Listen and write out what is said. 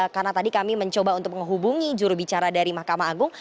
karena tadi kami mencoba untuk menghubungi jurubicara dari mahkamah agung